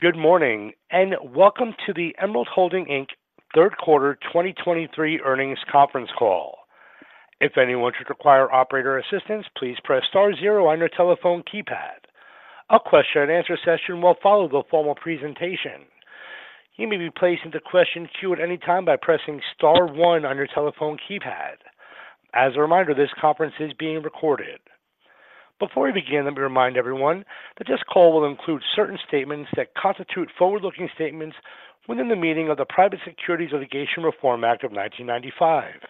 Good morning, and welcome to the Emerald Holding, Inc. Third Quarter 2023 Earnings Conference Call. If anyone should require operator assistance, please press star zero on your telephone keypad. A question-and-answer session will follow the formal presentation. You may be placed into question queue at any time by pressing star one on your telephone keypad. As a reminder, this conference is being recorded. Before we begin, let me remind everyone that this call will include certain statements that constitute forward-looking statements within the meaning of the Private Securities Litigation Reform Act of 1995.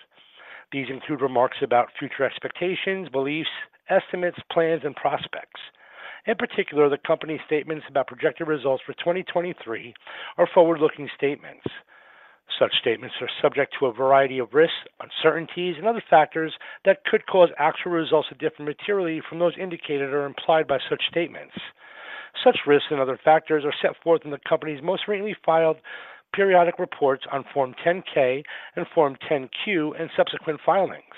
These include remarks about future expectations, beliefs, estimates, plans, and prospects. In particular, the company's statements about projected results for 2023 are forward-looking statements. Such statements are subject to a variety of risks, uncertainties, and other factors that could cause actual results to differ materially from those indicated or implied by such statements. Such risks and other factors are set forth in the company's most recently filed periodic reports on Form 10-K and Form 10-Q and subsequent filings.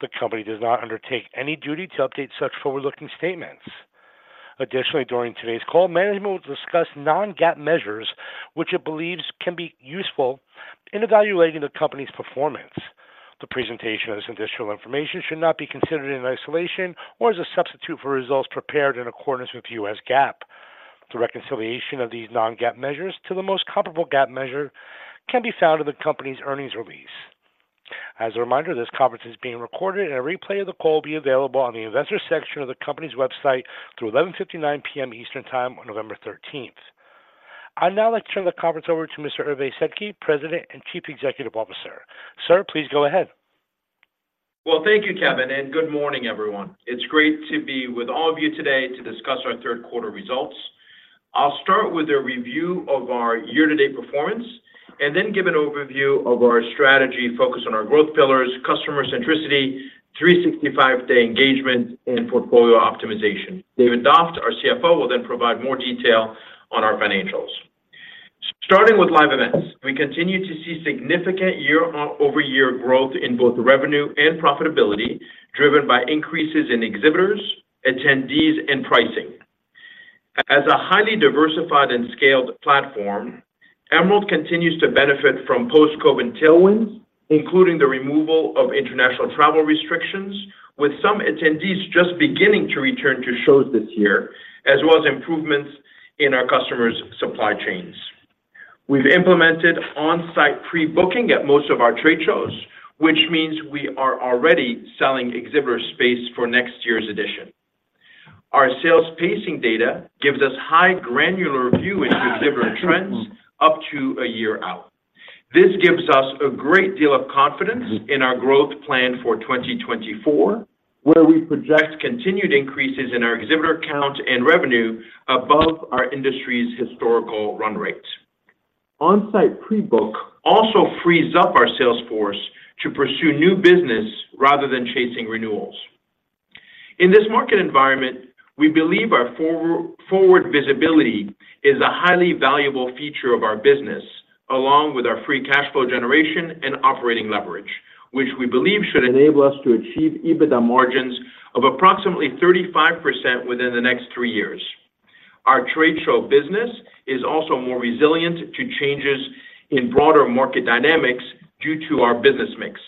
The company does not undertake any duty to update such forward-looking statements. Additionally, during today's call, management will discuss non-GAAP measures, which it believes can be useful in evaluating the company's performance. The presentation of this additional information should not be considered in isolation or as a substitute for results prepared in accordance with US GAAP. The reconciliation of these non-GAAP measures to the most comparable GAAP measure can be found in the company's earnings release. As a reminder, this conference is being recorded, and a replay of the call will be available on the investor section of the company's website through 11:59 P.M. Eastern Time on November thirteenth. I'd now like to turn the conference over to Mr. Hervé Sedky, President and Chief Executive Officer. Sir, please go ahead. Well, thank you, Kevin, and good morning, everyone. It's great to be with all of you today to discuss our third quarter results. I'll start with a review of our year-to-date performance and then give an overview of our strategy focused on our growth pillars, customer centricity, 365-day engagement, and portfolio optimization. David Doft, our CFO, will then provide more detail on our financials. Starting with live events, we continue to see significant year-over-year growth in both revenue and profitability, driven by increases in exhibitors, attendees, and pricing. As a highly diversified and scaled platform, Emerald continues to benefit from post-COVID tailwinds, including the removal of international travel restrictions, with some attendees just beginning to return to shows this year, as well as improvements in our customers' supply chains. We've implemented on-site pre-booking at most of our trade shows, which means we are already selling exhibitor space for next year's edition. Our sales pacing data gives us highly granular view into exhibitor trends up to a year out. This gives us a great deal of confidence in our growth plan for 2024, where we project continued increases in our exhibitor count and revenue above our industry's historical run rate. On-site pre-book also frees up our sales force to pursue new business rather than chasing renewals. In this market environment, we believe our forward visibility is a highly valuable feature of our business, along with our free cash flow generation and operating leverage, which we believe should enable us to achieve EBITDA margins of approximately 35% within the next three years. Our trade show business is also more resilient to changes in broader market dynamics due to our business mix.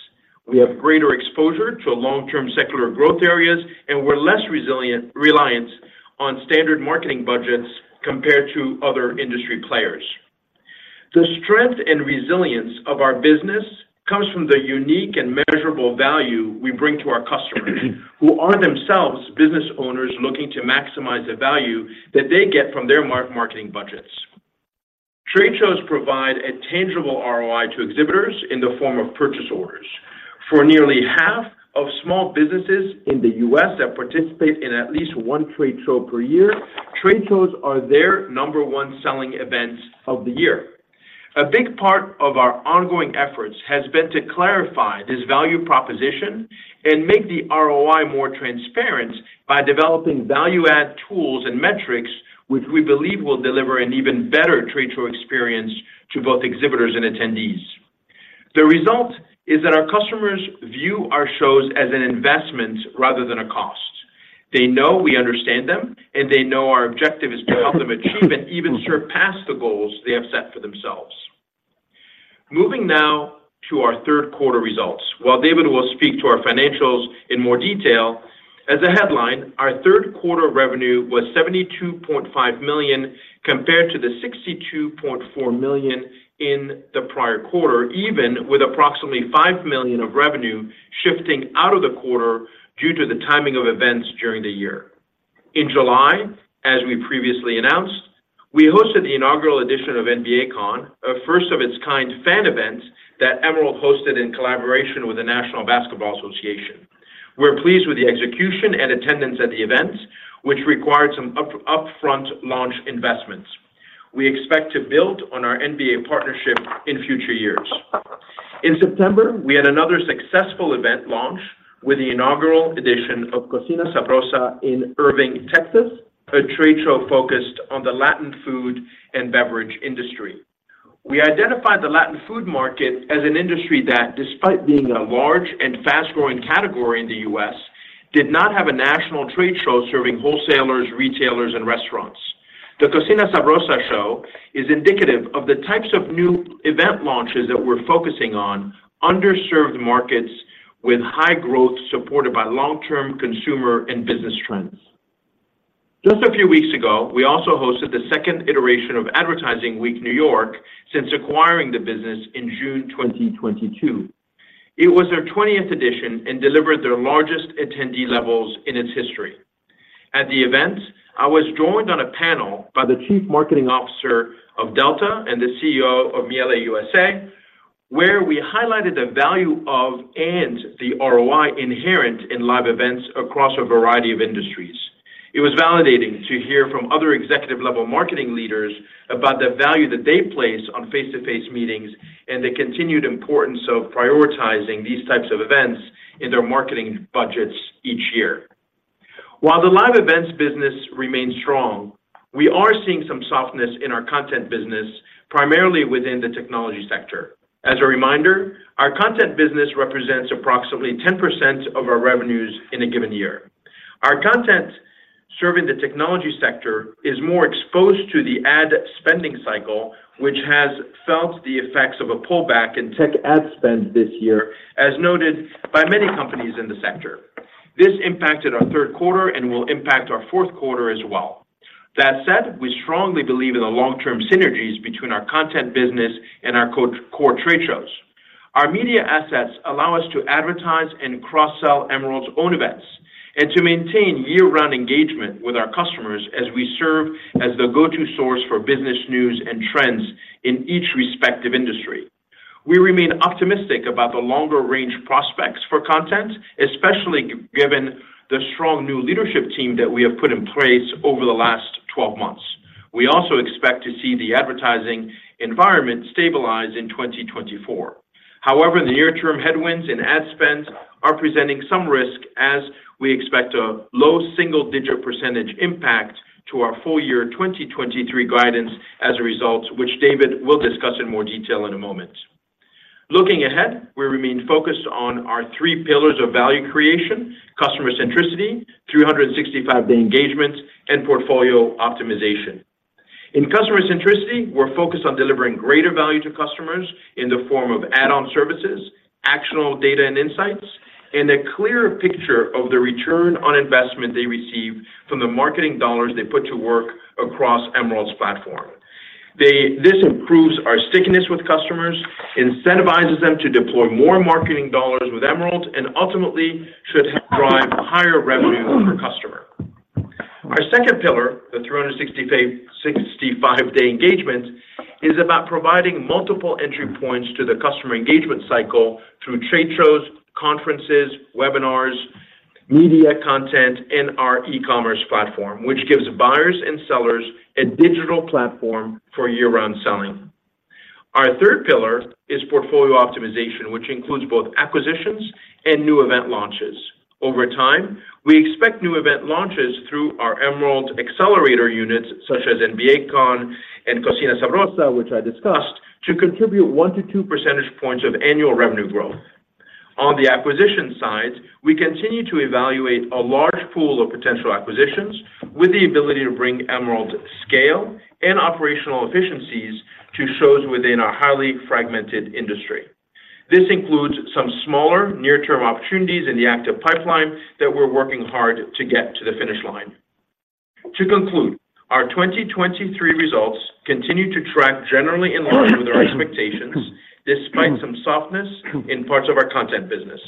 We have greater exposure to long-term secular growth areas, and we're less reliant on standard marketing budgets compared to other industry players. The strength and resilience of our business comes from the unique and measurable value we bring to our customers, who are themselves business owners looking to maximize the value that they get from their marketing budgets. Trade shows provide a tangible ROI to exhibitors in the form of purchase orders. For nearly half of small businesses in the U.S. that participate in at least one trade show per year, trade shows are their number one selling events of the year. A big part of our ongoing efforts has been to clarify this value proposition and make the ROI more transparent by developing value-add tools and metrics, which we believe will deliver an even better trade show experience to both exhibitors and attendees. The result is that our customers view our shows as an investment rather than a cost. They know we understand them, and they know our objective is to help them achieve and even surpass the goals they have set for themselves. Moving now to our third quarter results. While David will speak to our financials in more detail, as a headline, our third quarter revenue was $72.5 million, compared to the $62.4 million in the prior quarter, even with approximately $5 million of revenue shifting out of the quarter due to the timing of events during the year. In July, as we previously announced, we hosted the inaugural edition of NBA Con, a first-of-its-kind fan event that Emerald hosted in collaboration with the National Basketball Association. We're pleased with the execution and attendance at the events, which required some upfront launch investments. We expect to build on our NBA partnership in future years. In September, we had another successful event launch with the inaugural edition of Cocina Sabrosa in Irving, Texas, a trade show focused on the Latin food and beverage industry. We identified the Latin food market as an industry that, despite being a large and fast-growing category in the U.S., did not have a national trade show serving wholesalers, retailers, and restaurants. The Cocina Sabrosa show is indicative of the types of new event launches that we're focusing on, underserved markets with high growth, supported by long-term consumer and business trends. Just a few weeks ago, we also hosted the second iteration of Advertising Week New York since acquiring the business in June 2022. It was their twentieth edition and delivered their largest attendee levels in its history. At the event, I was joined on a panel by the Chief Marketing Officer of Delta and the CEO of Miele USA, where we highlighted the value of and the ROI inherent in live events across a variety of industries. It was validating to hear from other executive-level marketing leaders about the value that they place on face-to-face meetings and the continued importance of prioritizing these types of events in their marketing budgets each year. While the live events business remains strong, we are seeing some softness in our content business, primarily within the technology sector. As a reminder, our content business represents approximately 10% of our revenues in a given year. Our content serving the technology sector is more exposed to the ad spending cycle, which has felt the effects of a pullback in tech ad spend this year, as noted by many companies in the sector. This impacted our third quarter and will impact our fourth quarter as well. That said, we strongly believe in the long-term synergies between our content business and our our core trade shows. Our media assets allow us to advertise and cross-sell Emerald's own events, and to maintain year-round engagement with our customers as we serve as the go-to source for business news and trends in each respective industry. We remain optimistic about the longer-range prospects for content, especially given the strong new leadership team that we have put in place over the last 12 months. We also expect to see the advertising environment stabilize in 2024. However, the near-term headwinds in ad spend are presenting some risk as we expect a low single-digit % impact to our full year 2023 guidance as a result, which David will discuss in more detail in a moment. Looking ahead, we remain focused on our three pillars of value creation: customer centricity, 365-day engagement, and portfolio optimization. In customer centricity, we're focused on delivering greater value to customers in the form of add-on services, actionable data and insights, and a clearer picture of the return on investment they receive from the marketing dollars they put to work across Emerald's platform. This improves our stickiness with customers, incentivizes them to deploy more marketing dollars with Emerald, and ultimately should drive higher revenue per customer. Our second pillar, the 365-day engagement, is about providing multiple entry points to the customer engagement cycle through trade shows, conferences, webinars, media content, and our e-commerce platform, which gives buyers and sellers a digital platform for year-round selling. Our third pillar is portfolio optimization, which includes both acquisitions and new event launches. Over time, we expect new event launches through our Emerald accelerator units, such as NBA Con and Cocina Sabrosa, which I discussed, to contribute one to two percentage points of annual revenue growth. On the acquisition side, we continue to evaluate a large pool of potential acquisitions with the ability to bring Emerald scale and operational efficiencies to shows within our highly fragmented industry. This includes some smaller near-term opportunities in the active pipeline that we're working hard to get to the finish line. To conclude, our 2023 results continue to track generally in line with our expectations, despite some softness in parts of our content business.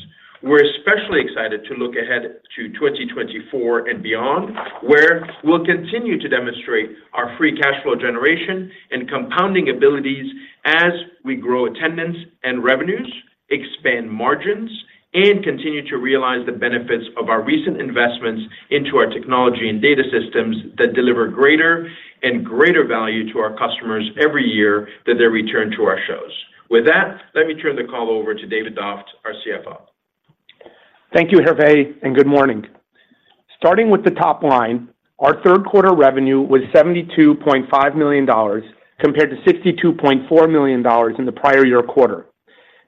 We're especially excited to look ahead to 2024 and beyond, where we'll continue to demonstrate our free cash flow generation and compounding abilities as we grow attendance and revenues, expand margins, and continue to realize the benefits of our recent investments into our technology and data systems that deliver greater and greater value to our customers every year that they return to our shows. With that, let me turn the call over to David Doft, our CFO. Thank you, Hervé, and good morning. Starting with the top line, our third quarter revenue was $72.5 million, compared to $62.4 million in the prior year quarter.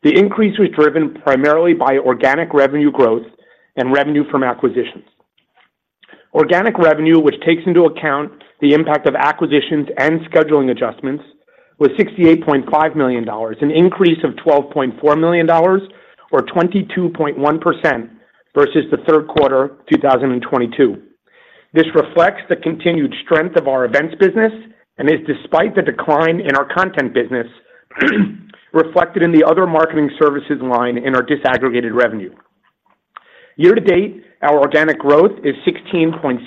The increase was driven primarily by organic revenue growth and revenue from acquisitions. Organic revenue, which takes into account the impact of acquisitions and scheduling adjustments, was $68.5 million, an increase of $12.4 million or 22.1% versus the third quarter of 2022. This reflects the continued strength of our events business and is despite the decline in our content business, reflected in the other marketing services line in our disaggregated revenue. Year to date, our organic growth is 16.6%.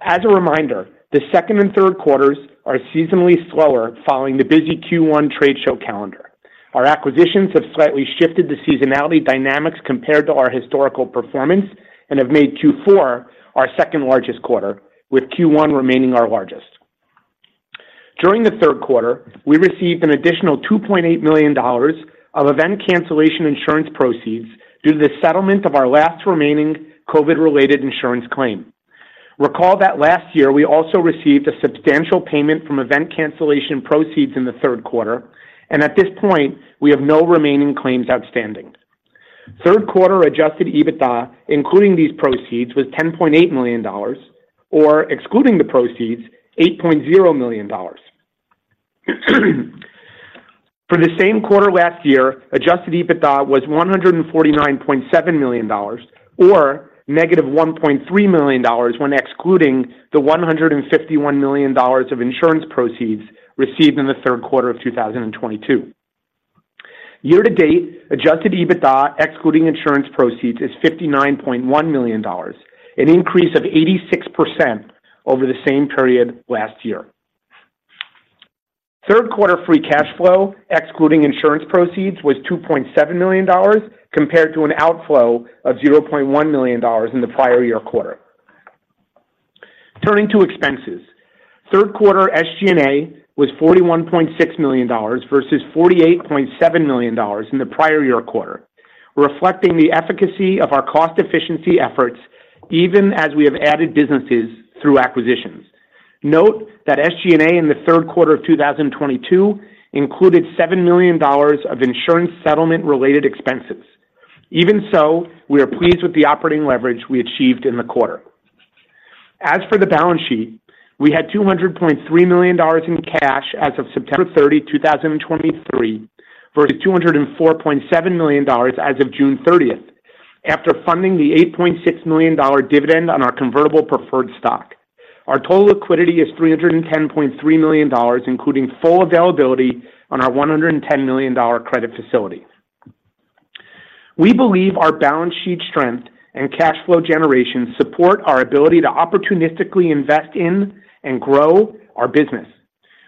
As a reminder, the second and third quarters are seasonally slower following the busy Q1 trade show calendar. Our acquisitions have slightly shifted the seasonality dynamics compared to our historical performance and have made Q4 our second-largest quarter, with Q1 remaining our largest. During the third quarter, we received an additional $2.8 million of event cancellation insurance proceeds due to the settlement of our last remaining COVID-related insurance claim. Recall that last year, we also received a substantial payment from event cancellation proceeds in the third quarter, and at this point, we have no remaining claims outstanding. Third quarter adjusted EBITDA, including these proceeds, was $10.8 million, or excluding the proceeds, $8.0 million. For the same quarter last year, adjusted EBITDA was $149.7 million, or negative $1.3 million when excluding the $151 million of insurance proceeds received in the third quarter of 2022. Year-to-date, adjusted EBITDA, excluding insurance proceeds, is $59.1 million, an increase of 86% over the same period last year. Third quarter free cash flow, excluding insurance proceeds, was $2.7 million, compared to an outflow of $0.1 million in the prior year quarter. Turning to expenses. Third quarter SG&A was $41.6 million versus $48.7 million in the prior year quarter, reflecting the efficacy of our cost efficiency efforts, even as we have added businesses through acquisitions. Note that SG&A in the third quarter of 2022 included $7 million of insurance settlement-related expenses. Even so, we are pleased with the operating leverage we achieved in the quarter. As for the balance sheet, we had $200.3 million in cash as of September 30, 2023, versus $204.7 million as of June 30. After funding the $8.6 million dividend on our convertible preferred stock, our total liquidity is $310.3 million, including full availability on our $110 million credit facility. We believe our balance sheet strength and cash flow generation support our ability to opportunistically invest in and grow our business.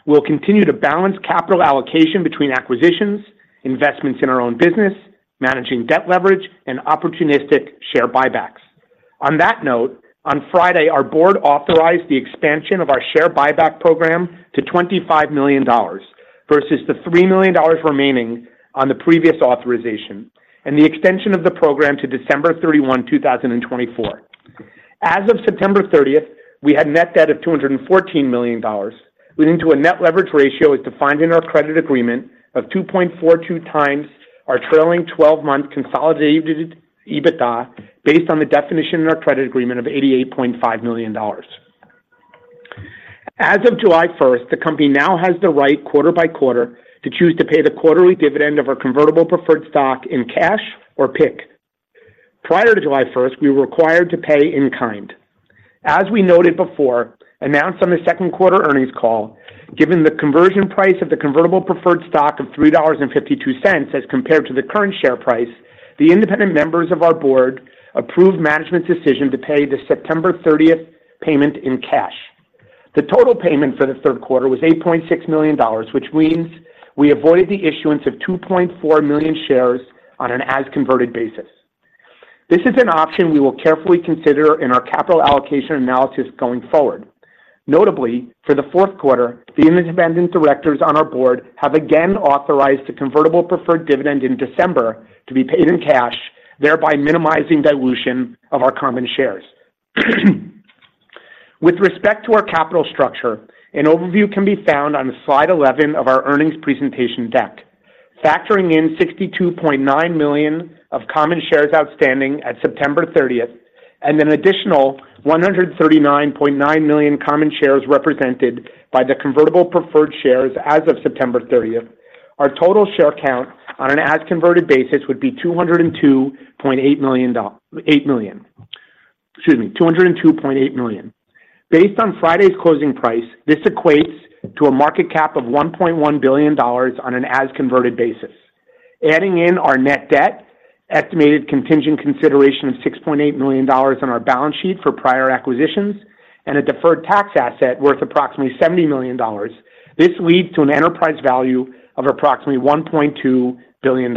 We'll continue to balance capital allocation between acquisitions, investments in our own business, managing debt leverage, and opportunistic share buybacks. On that note, on Friday, our board authorized the expansion of our share buyback program to $25 million versus the $3 million remaining on the previous authorization, and the extension of the program to December 31, 2024. As of September 30, we had net debt of $214 million, leading to a net leverage ratio as defined in our credit agreement of 2.42x our trailing twelve-month consolidated EBITDA, based on the definition in our credit agreement of $88.5 million. As of July 1, the company now has the right quarter-by-quarter to choose to pay the quarterly dividend of our convertible preferred stock in cash or PIK. Prior to July 1, we were required to pay in kind. As we noted before, announced on the second quarter earnings call, given the conversion price of the convertible preferred stock of $3.52 as compared to the current share price, the independent members of our board approved management's decision to pay the September 30th payment in cash. The total payment for the third quarter was $8.6 million, which means we avoided the issuance of 2.4 million shares on an as-converted basis. This is an option we will carefully consider in our capital allocation analysis going forward. Notably, for the fourth quarter, the independent directors on our board have again authorized the convertible preferred dividend in December to be paid in cash, thereby minimizing dilution of our common shares. With respect to our capital structure, an overview can be found on slide 11 of our earnings presentation deck. Factoring in 62.9 million of common shares outstanding at September 30 and an additional 139.9 million common shares represented by the convertible preferred shares as of September 30, our total share count on an as-converted basis would be 202.8 million. Excuse me, 202.8 million. Based on Friday's closing price, this equates to a market cap of $1.1 billion on an as-converted basis. Adding in our net debt, estimated contingent consideration of $6.8 million on our balance sheet for prior acquisitions, and a deferred tax asset worth approximately $70 million, this leads to an enterprise value of approximately $1.2 billion.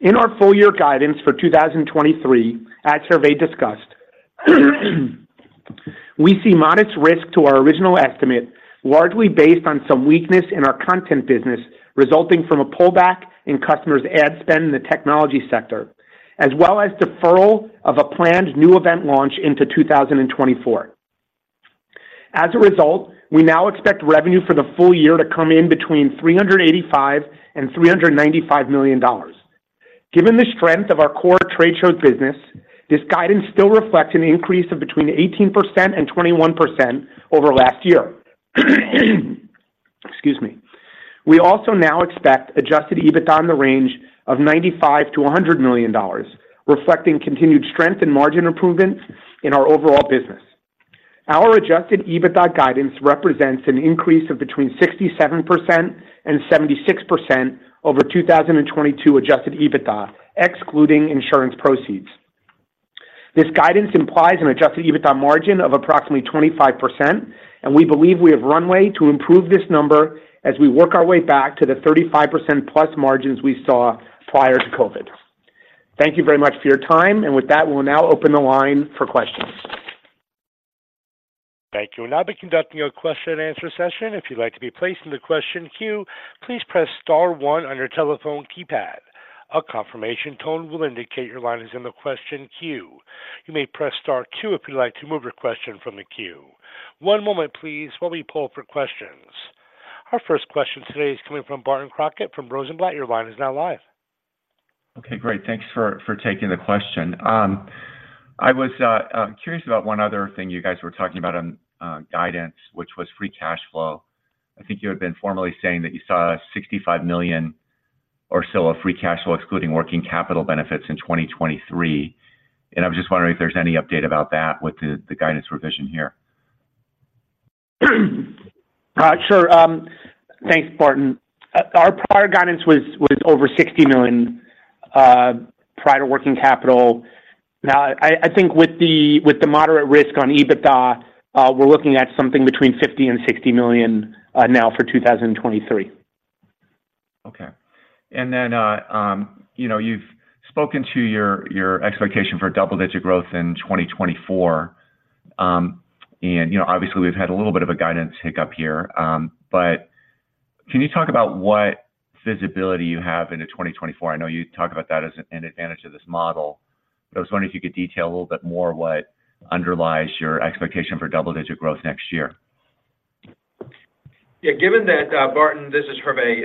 In our full year guidance for 2023, as Hervé discussed, we see modest risk to our original estimate, largely based on some weakness in our content business, resulting from a pullback in customers' ad spend in the technology sector, as well as deferral of a planned new event launch into 2024. As a result, we now expect revenue for the full year to come in between $385 million and $395 million. Given the strength of our core trade show business, this guidance still reflects an increase of between 18% and 21% over last year. Excuse me. We also now expect adjusted EBITDA in the range of $95 million-$100 million, reflecting continued strength and margin improvements in our overall business. Our adjusted EBITDA guidance represents an increase of between 67% and 76% over 2022 adjusted EBITDA, excluding insurance proceeds. This guidance implies an adjusted EBITDA margin of approximately 25%, and we believe we have runway to improve this number as we work our way back to the 35%+ margins we saw prior to COVID. Thank you very much for your time, and with that, we'll now open the line for questions. Thank you. We'll now be conducting a question and answer session. If you'd like to be placed in the question queue, please press star one on your telephone keypad. A confirmation tone will indicate your line is in the question queue. You may press star two if you'd like to move your question from the queue. One moment please, while we pull for questions. Our first question today is coming from Barton Crockett from Rosenblatt. Your line is now live. Okay, great. Thanks for taking the question. I was curious about one other thing you guys were talking about on guidance, which was free cash flow. I think you had been formally saying that you saw $65 million or so of free cash flow, excluding working capital benefits in 2023, and I was just wondering if there's any update about that with the guidance revision here? Sure. Thanks, Barton. Our prior guidance was, was over $60 million prior to working capital. Now, I think with the, with the moderate risk on EBITDA, we're looking at something between $50 million and $60 million now for 2023. Okay. And then, you know, you've spoken to your expectation for double-digit growth in 2024. And, you know, obviously, we've had a little bit of a guidance hiccup here, but can you talk about what visibility you have into 2024? I know you talk about that as an advantage of this model, but I was wondering if you could detail a little bit more what underlies your expectation for double-digit growth next year. Yeah, given that, Barton, this is Hervé,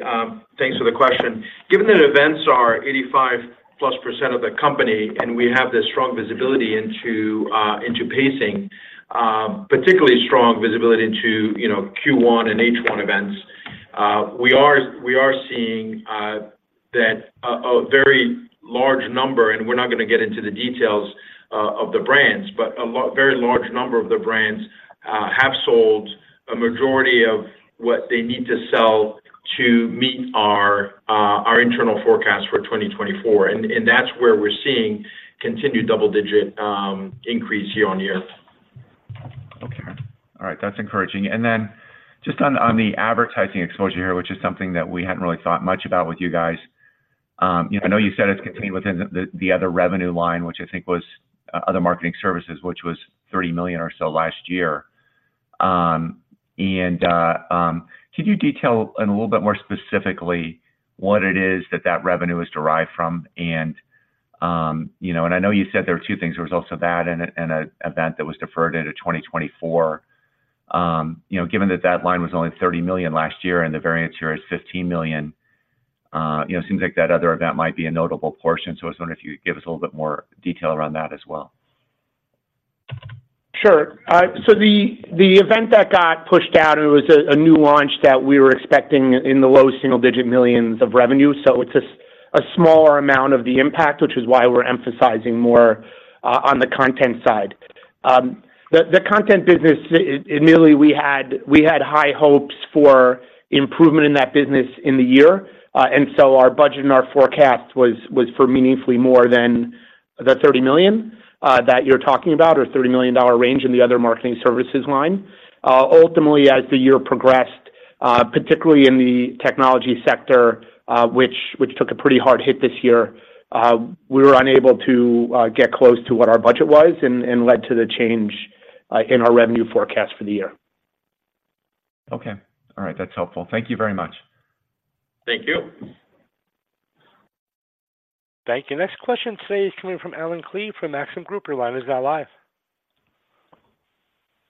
thanks for the question. Given that events are 85%+ of the company, and we have this strong visibility into pacing, particularly strong visibility into, you know, Q1 and H1 events, we are seeing that a very large number, and we're not gonna get into the details of the brands, but a lot... very large number of the brands have sold a majority of what they need to sell to meet our internal forecast for 2024. And that's where we're seeing continued double-digit increase year-on-year. Okay. All right. That's encouraging. And then just on the advertising exposure here, which is something that we hadn't really thought much about with you guys. I know you said it's contained within the other revenue line, which I think was other marketing services, which was $30 million or so last year. And could you detail in a little bit more specifically what it is that revenue is derived from? And you know, and I know you said there are two things. There was also that and an event that was deferred into 2024. You know, given that that line was only $30 million last year and the variance here is $15 million, you know, seems like that other event might be a notable portion. I was wondering if you could give us a little bit more detail around that as well. Sure. So the event that got pushed out, it was a new launch that we were expecting in the low single-digit millions of revenue, so it's a smaller amount of the impact, which is why we're emphasizing more on the content side. The content business, immediately we had high hopes for improvement in that business in the year, and so our budget and our forecast was for meaningfully more than the $30 million that you're talking about, or $30 million range in the other marketing services line. Ultimately, as the year progressed, particularly in the technology sector, which took a pretty hard hit this year, we were unable to get close to what our budget was and led to the change in our revenue forecast for the year. Okay. All right. That's helpful. Thank you very much. Thank you. Thank you. Next question today is coming from Allen Klee from Maxim Group. Your line is now live.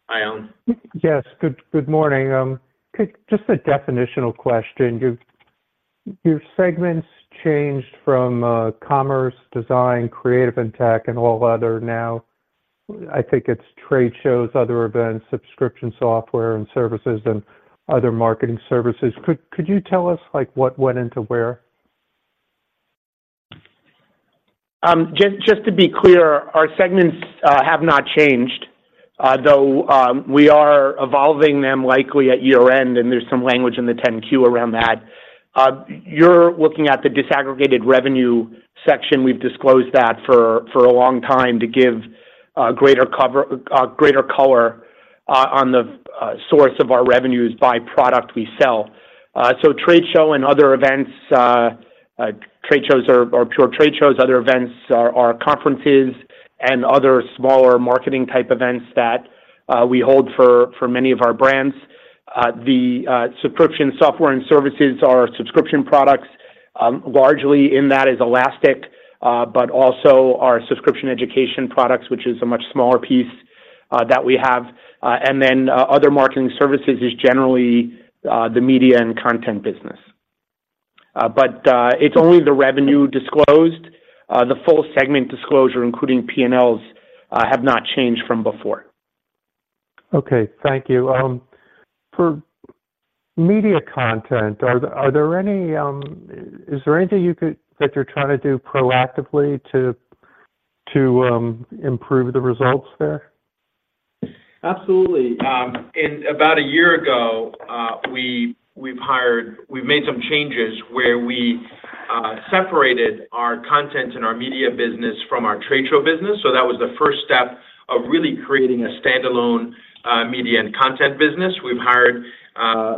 Hi, Allen. Yes, good, good morning. Just a definitional question. Your segments changed from commerce, design, creative and tech, and all other. Now, I think it's trade shows, other events, subscription, software and services, and other marketing services. Could you tell us, like, what went into where? Just to be clear, our segments have not changed, though we are evolving them likely at year-end, and there's some language in the 10-Q around that. You're looking at the disaggregated revenue section. We've disclosed that for a long time to give greater color on the source of our revenues by product we sell. So trade shows and other events, trade shows are pure trade shows. Other events are conferences and other smaller marketing type events that we hold for many of our brands. The subscription software and services are subscription products. Largely in that is Elastic, but also our subscription education products, which is a much smaller piece that we have. And then, other marketing services is generally the media and content business. But, it's only the revenue disclosed. The full segment disclosure, including P&Ls, have not changed from before. Okay, thank you. For media content, are there any? Is there anything that you're trying to do proactively to improve the results there? Absolutely. And about a year ago, we made some changes where we separated our content and our media business from our trade show business. So that was the first step of really creating a standalone media and content business. We've hired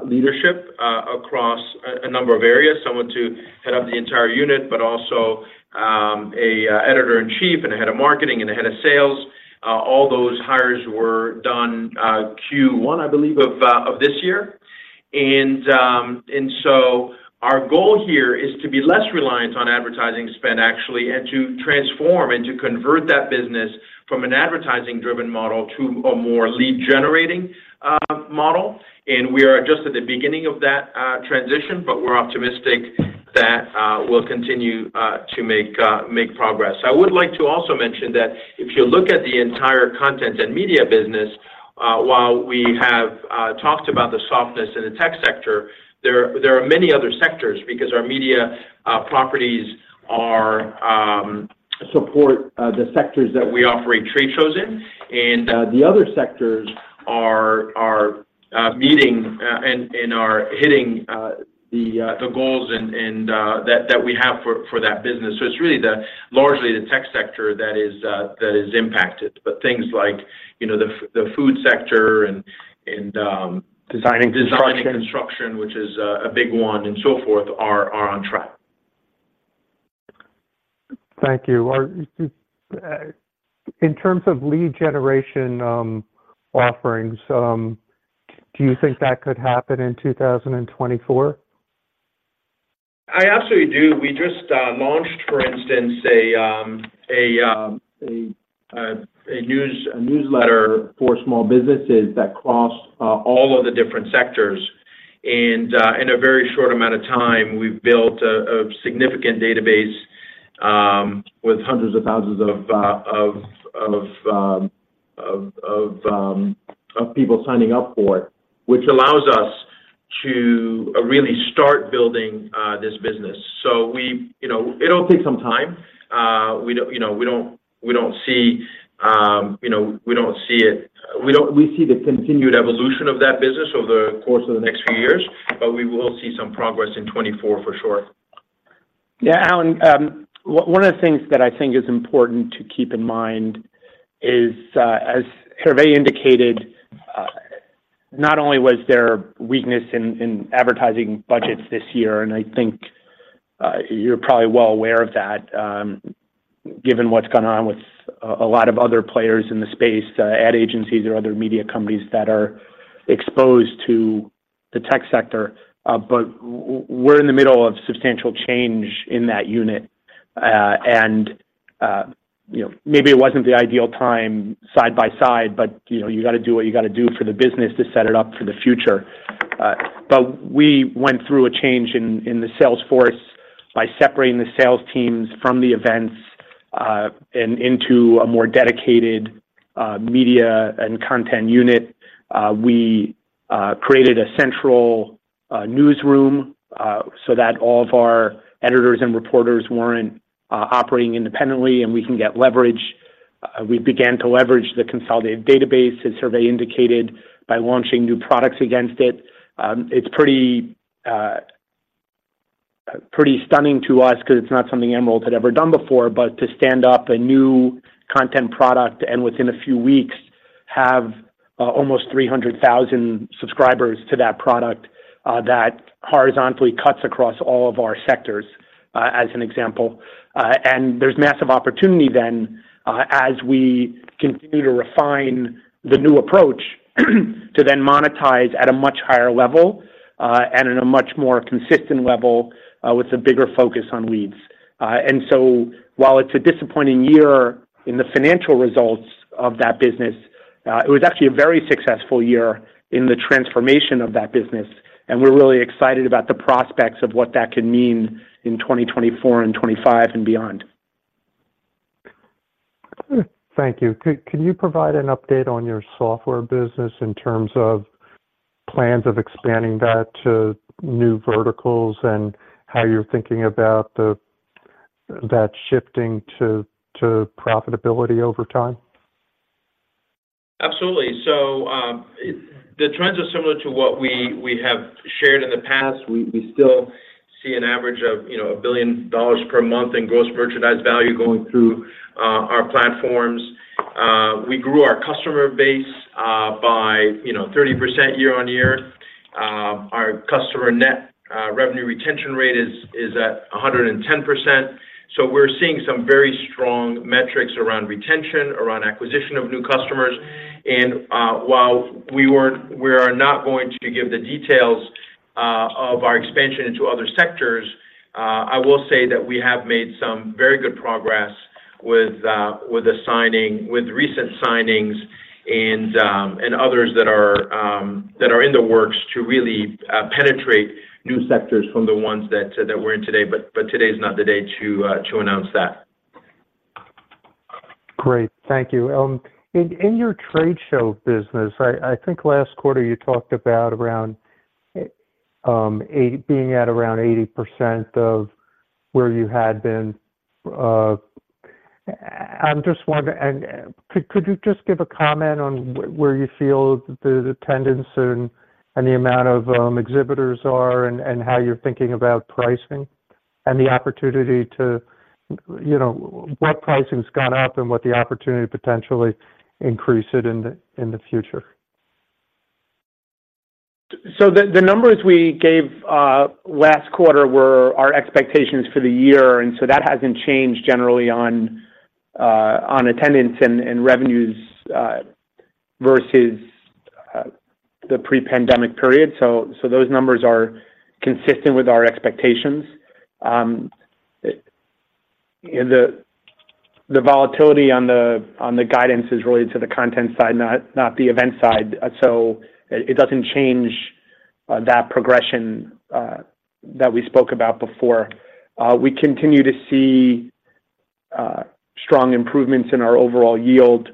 leadership across a number of areas, someone to head up the entire unit, but also a editor-in-chief and a head of marketing and a head of sales, all those hires were done Q1, I believe, of this year. And so our goal here is to be less reliant on advertising spend, actually, and to transform and to convert that business from an advertising-driven model to a more lead-generating model. We are just at the beginning of that transition, but we're optimistic that we'll continue to make progress. I would like to also mention that if you look at the entire content and media business, while we have talked about the softness in the tech sector, there are many other sectors because our media properties support the sectors that we operate trade shows in. The other sectors are meeting and are hitting the goals that we have for that business. So it's really largely the tech sector that is impacted. But things like, you know, the food sector and, Design and construction... design and construction, which is a big one, and so forth, are on track. Thank you. Are, in terms of lead generation offerings, do you think that could happen in 2024? I absolutely do. We just launched, for instance, a newsletter for small businesses that crossed all of the different sectors. And in a very short amount of time, we've built a significant database with hundreds of thousands of people signing up for it, which allows us to really start building this business. So, you know, it'll take some time. We don't, you know, we don't see it. We see the continued evolution of that business over the course of the next few years, but we will see some progress in 2024, for sure. Yeah, Allen, one of the things that I think is important to keep in mind is, as Hervé indicated, not only was there weakness in advertising budgets this year, and I think you're probably well aware of that, given what's gone on with a lot of other players in the space, ad agencies or other media companies that are exposed to the tech sector. But we're in the middle of substantial change in that unit. And, you know, maybe it wasn't the ideal time side by side, but, you know, you gotta do what you gotta do for the business to set it up for the future. But we went through a change in the sales force by separating the sales teams from the events, and into a more dedicated media and content unit. We created a central newsroom so that all of our editors and reporters weren't operating independently, and we can get leverage. We began to leverage the consolidated database, as Hervé indicated, by launching new products against it. It's pretty, pretty stunning to us because it's not something Emerald had ever done before, but to stand up a new content product and within a few weeks, have almost 300,000 subscribers to that product, that horizontally cuts across all of our sectors, as an example. There's massive opportunity then, as we continue to refine the new approach, to then monetize at a much higher level, and in a much more consistent level, with a bigger focus on leads. So while it's a disappointing year in the financial results of that business, it was actually a very successful year in the transformation of that business, and we're really excited about the prospects of what that could mean in 2024 and 2025 and beyond. Thank you. Can you provide an update on your software business in terms of plans of expanding that to new verticals and how you're thinking about that shifting to profitability over time? Absolutely. So, the trends are similar to what we have shared in the past. We still see an average of, you know, $1 billion per month in gross merchandise value going through our platforms. We grew our customer base by, you know, 30% year-on-year. Our customer net revenue retention rate is at 110%. So we're seeing some very strong metrics around retention, around acquisition of new customers. While we are not going to give the details of our expansion into other sectors, I will say that we have made some very good progress with recent signings and others that are in the works to really penetrate new sectors from the ones that we're in today, but today is not the day to announce that. Great. Thank you. In your trade show business, I think last quarter you talked about being at around 80% of where you had been. I'm just wondering. Could you just give a comment on where you feel the attendance and the amount of exhibitors are, and how you're thinking about pricing and the opportunity to, you know, what pricing's gone up and what the opportunity to potentially increase it in the future? ... So the numbers we gave last quarter were our expectations for the year, and so that hasn't changed generally on attendance and revenues versus the pre-pandemic period. So those numbers are consistent with our expectations. And the volatility on the guidance is really to the content side, not the event side. So it doesn't change that progression that we spoke about before. We continue to see strong improvements in our overall yield.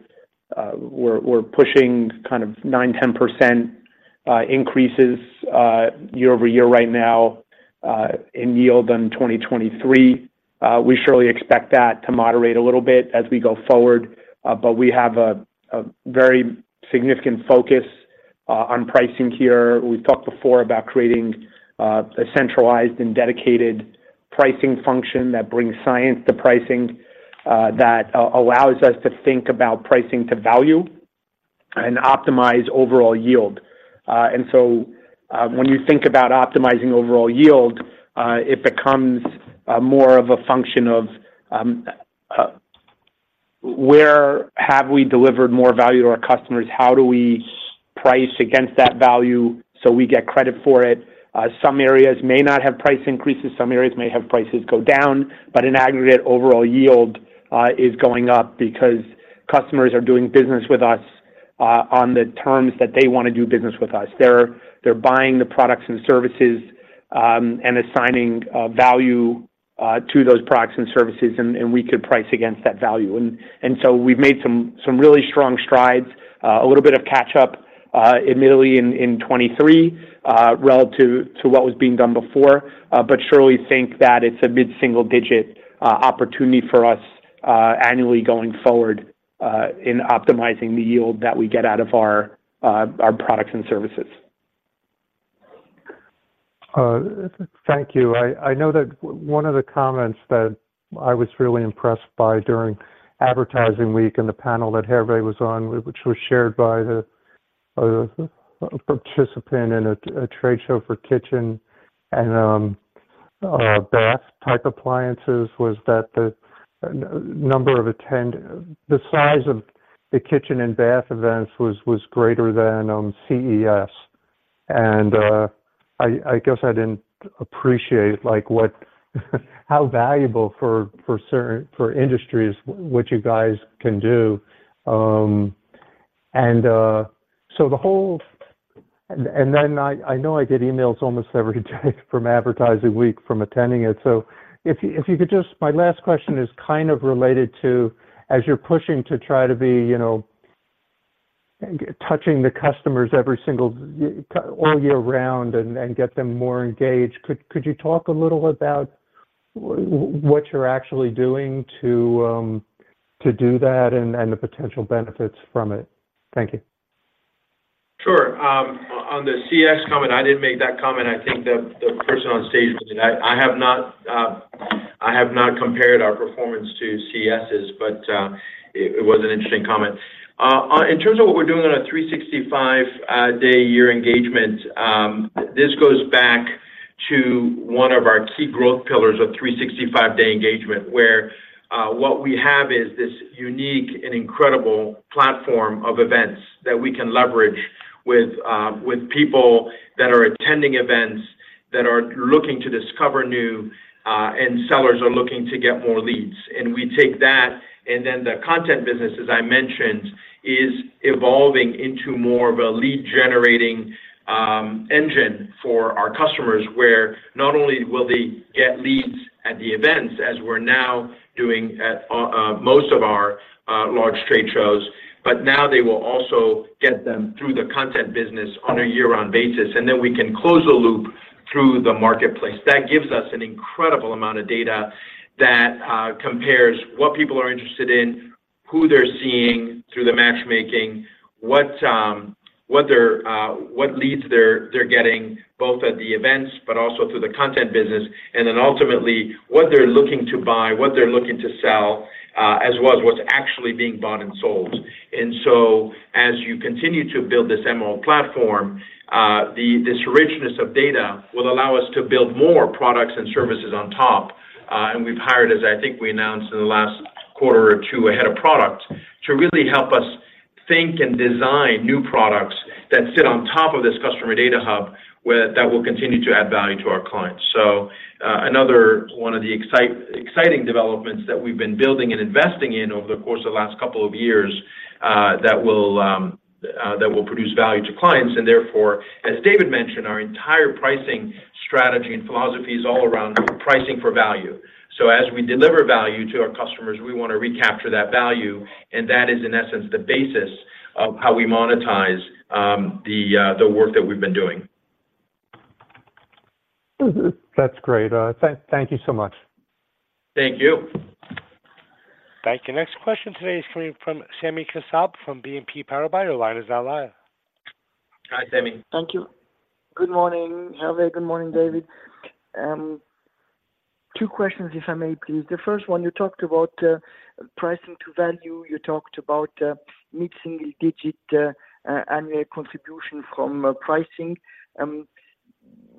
We're pushing kind of 9%-10% increases year-over-year right now in yield on 2023. We surely expect that to moderate a little bit as we go forward, but we have a very significant focus on pricing here. We've talked before about creating a centralized and dedicated pricing function that brings science to pricing that allows us to think about pricing to value and optimize overall yield. And so, when you think about optimizing overall yield, it becomes more of a function of where have we delivered more value to our customers? How do we price against that value so we get credit for it? Some areas may not have price increases, some areas may have prices go down, but in aggregate, overall yield is going up because customers are doing business with us on the terms that they wanna do business with us. They're buying the products and services and assigning value to those products and services, and we could price against that value. So we've made some really strong strides, a little bit of catch-up, admittedly in 2023, relative to what was being done before. But surely think that it's a mid-single-digit opportunity for us annually going forward in optimizing the yield that we get out of our products and services. Thank you. I know that one of the comments that I was really impressed by during Advertising Week and the panel that Hervé was on, which was shared by a participant in a trade show for kitchen and bath type appliances, was that the size of the kitchen and bath events was greater than CES. I guess I didn't appreciate, like, what, how valuable for industries, what you guys can do. Then, I know I get emails almost every day from Advertising Week from attending it. So if you could just, my last question is kind of related to, as you're pushing to try to be, you know, touching the customers every single year all year round and get them more engaged, could you talk a little about what you're actually doing to do that, and the potential benefits from it? Thank you. Sure. On the CES comment, I didn't make that comment. I think the person on stage did. I have not compared our performance to CES's, but it was an interesting comment. In terms of what we're doing on a 365-day year engagement, this goes back to one of our key growth pillars of 365-day engagement, where what we have is this unique and incredible platform of events that we can leverage with people that are attending events, that are looking to discover new, and sellers are looking to get more leads. And we take that, and then the content business, as I mentioned, is evolving into more of a lead-generating engine for our customers, where not only will they get leads at the events, as we're now doing at most of our large trade shows, but now they will also get them through the content business on a year-round basis. And then we can close the loop through the marketplace. That gives us an incredible amount of data that compares what people are interested in, who they're seeing through the matchmaking, what leads they're getting, both at the events, but also through the content business, and then ultimately, what they're looking to buy, what they're looking to sell, as well as what's actually being bought and sold. As you continue to build this MRO platform, this richness of data will allow us to build more products and services on top. And we've hired, as I think we announced in the last quarter or two, a head of product to really help us think and design new products that sit on top of this customer data hub, where that will continue to add value to our clients. So, another one of the exciting developments that we've been building and investing in over the course of the last couple of years, that will produce value to clients. And therefore, as David mentioned, our entire pricing strategy and philosophy is all around pricing for value. So as we deliver value to our customers, we wanna recapture that value, and that is, in essence, the basis of how we monetize the work that we've been doing. That's great. Thank you so much. Thank you. Thank you. Next question today is coming from Sami Kassab, from BNP Paribas, our line is now live. Hi, Sammy. Thank you. Good morning, Hervé, good morning, David.... Two questions, if I may, please. The first one, you talked about pricing to value. You talked about mid-single digit annual contribution from pricing.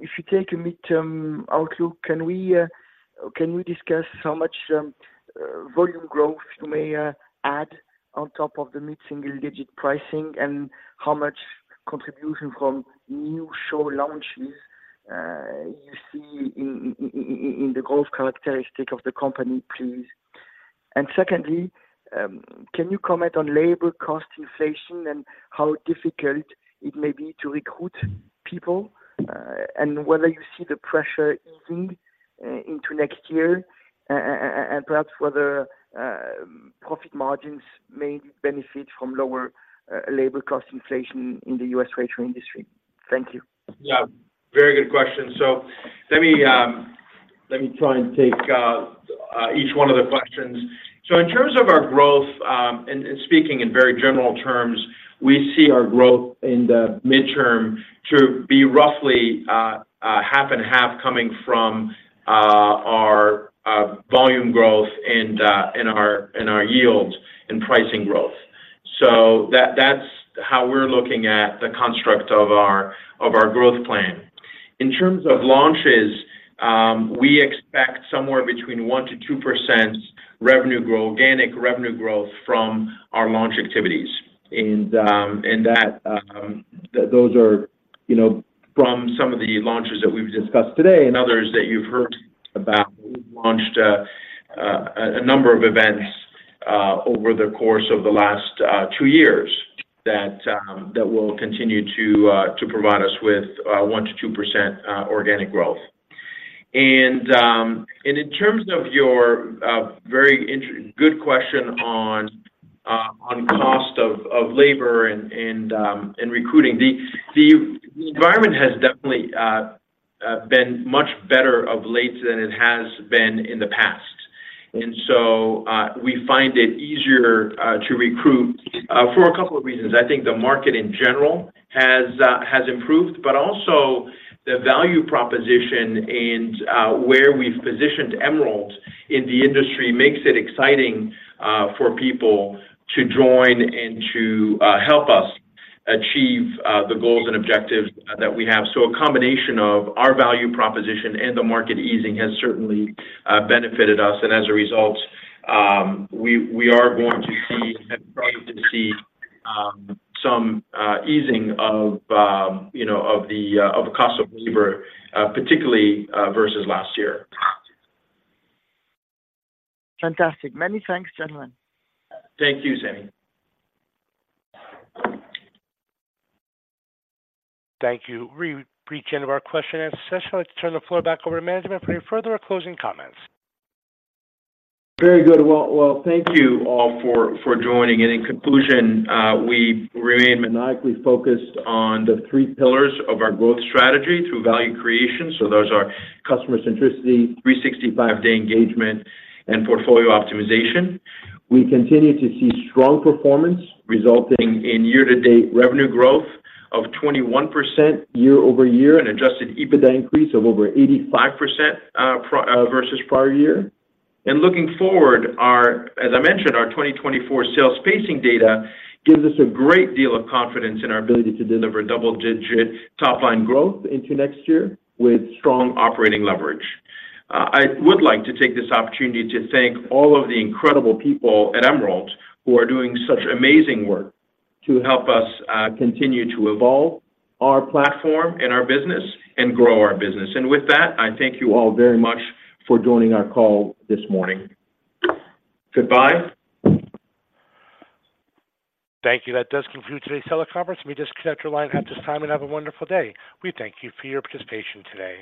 If you take a mid-term outlook, can we discuss how much volume growth you may add on top of the mid-single digit pricing, and how much contribution from new show launches you see in the growth characteristic of the company, please? And secondly, can you comment on labor cost inflation and how difficult it may be to recruit people, and whether you see the pressure easing into next year, and perhaps whether profit margins may benefit from lower labor cost inflation in the U.S. retail industry? Thank you. Yeah, very good question. So let me, let me try and take, each one of the questions. So in terms of our growth, and, and speaking in very general terms, we see our growth in the midterm to be roughly, half and half coming from, our, volume growth and, and our, and our yield and pricing growth. So that-that's how we're looking at the construct of our, of our growth plan. In terms of launches, we expect somewhere between 1%-2% revenue growth, organic revenue growth from our launch activities. And, and that, those are, you know, from some of the launches that we've discussed today and others that you've heard about. We've launched a number of events over the course of the last two years that will continue to provide us with 1%-2% organic growth. And in terms of your very good question on cost of labor and recruiting, the environment has definitely been much better of late than it has been in the past. And so we find it easier to recruit for a couple of reasons. I think the market in general has improved, but also the value proposition and where we've positioned Emerald in the industry makes it exciting for people to join and to help us achieve the goals and objectives that we have. So a combination of our value proposition and the market easing has certainly benefited us, and as a result, we are going to see, and continue to see, some easing of, you know, of the cost of labor, particularly versus last year. Fantastic. Many thanks, gentlemen. Thank you, Sami. Thank you. We've reached the end of our question-and-answer session. I'd like to turn the floor back over to management for any further or closing comments. Very good. Well, well, thank you all for joining. And in conclusion, we remain maniacally focused on the three pillars of our growth strategy through value creation. So those are customer centricity, 365-day engagement, and portfolio optimization. We continue to see strong performance, resulting in year-to-date revenue growth of 21% year-over-year, and adjusted EBITDA increase of over 85%, versus prior year. And looking forward, our. As I mentioned, our 2024 sales pacing data gives us a great deal of confidence in our ability to deliver double-digit top line growth into next year with strong operating leverage. I would like to take this opportunity to thank all of the incredible people at Emerald who are doing such amazing work to help us continue to evolve our platform and our business and grow our business. With that, I thank you all very much for joining our call this morning. Goodbye. Thank you. That does conclude today's teleconference. You may disconnect your line at this time, and have a wonderful day. We thank you for your participation today.